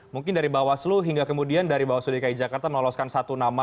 mungkin dari bawaslu hingga kemudian dari bawaslu dki jakarta meloloskan satu nama